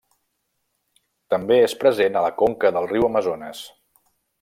També és present a la conca del riu Amazones.